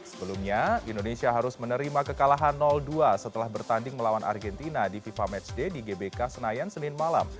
sebelumnya indonesia harus menerima kekalahan dua setelah bertanding melawan argentina di fifa matchday di gbk senayan senin malam